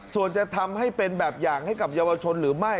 ส่วนจะทำให้เป็นแบบอย่างให้กับเยาวชนหรือไม่